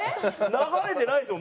流れてないですよ